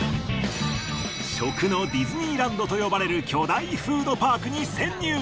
食のディズニーランドと呼ばれる巨大フードパークに潜入。